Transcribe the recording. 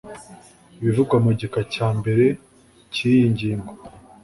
ibivugwa mu gika cya mbere cy iyi ngingo